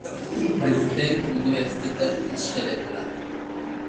Prezident universiteti tashkil etiladi